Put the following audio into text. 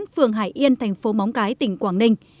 phường hải yên thành phố móng cái tỉnh quảng ninh